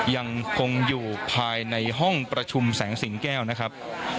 ยังคงอยู่ภายในห้องประชุมแสงสิงแก้วนะครับ